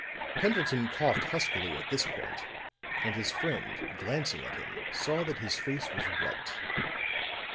Pendleton coughed huskily at this point; and his friend glancing at him saw that his face was white.